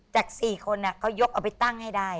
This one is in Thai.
จาก๔คนเขายกเอาไปตั้งให้ได้